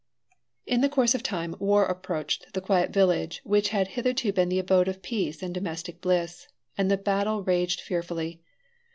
In the course of time war approached the quiet village which had hitherto been the abode of peace and domestic bliss, and the battle raged fearfully.